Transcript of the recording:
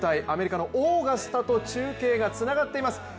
アメリカのオーガスタと中継がつながっています。